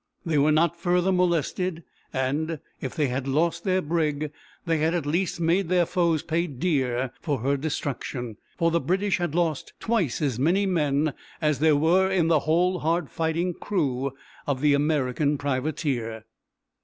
They were not further molested; and, if they had lost their brig, they had at least made their foes pay dear for her destruction, for the British had lost twice as many men as there were in the whole hard fighting crew of the American privateer.